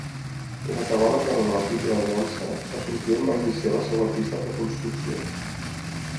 En acabar la Guerra de la Triple Aliança, Asunción va iniciar la seva trista reconstrucció.